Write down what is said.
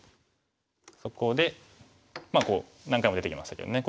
そこでこう何回も出てきましたけどね